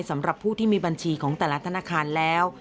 สำหรับผู้ที่มีบัญชีของแต่ละธนาคารแล้ว